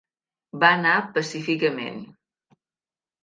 Va anar pacíficament.